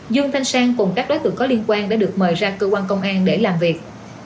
dương thanh sang cùng các đối tượng có liên quan đã được mời ra cơ quan công an để làm việc